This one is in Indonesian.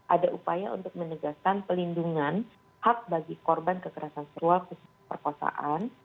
ada upaya untuk menegaskan pelindungan hak bagi korban kekerasan seksual khususnya perkosaan